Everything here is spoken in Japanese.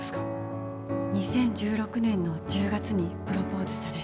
２０１６年の１０月にプロポーズされ承諾しました。